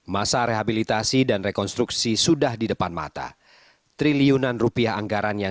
masa rehabilitasi dan rekonstruksi sudah di depan mata triliunan rupiah anggaran yang